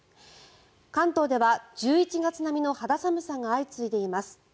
関東では１１月並みの肌寒さが相次いでいます。